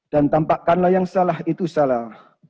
dan tampakkanlah yang salah itu salah